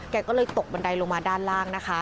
แกก็เลยตกบันไดลงมาด้านล่างนะคะ